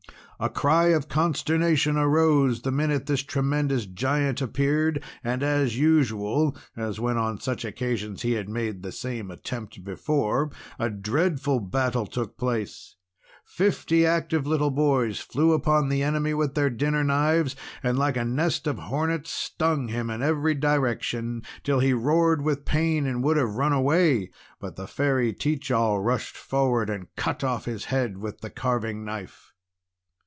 A cry of consternation arose the minute this tremendous Giant appeared. And as usual, as when on such occasions he had made the same attempt before, a dreadful battle took place. Fifty active little boys flew upon the enemy with their dinner knives, and like a nest of hornets, stung him in every direction, till he roared with pain, and would have run away; but the Fairy Teach All rushed forward, and cut off his head with the carving knife.